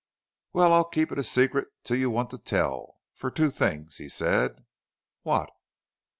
"Well, I'll keep it secret till you want to tell for two things," he said. "What?"